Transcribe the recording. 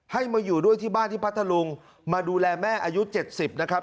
ให้มาอยู่ด้วยที่บ้านที่พัทธลุงมาดูแลแม่อายุ๗๐นะครับ